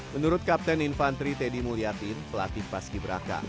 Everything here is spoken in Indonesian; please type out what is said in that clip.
menurut kapten infantri teddy mulyatin pelatih paski beraka